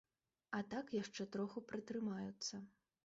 А так яшчэ троху пратрымаюцца.